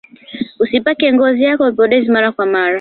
usipake ngozi yako vipodozi mara kwa mara